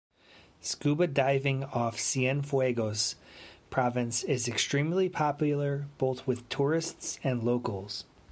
Scuba diving off Cienfuegos province is extremely popular both with tourists and locals.